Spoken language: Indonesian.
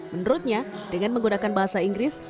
menurutnya dengan menggunakan bahasa inggris